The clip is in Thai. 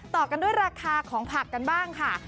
ต่อกันด้วยราคาของผักกันบ้างค่ะ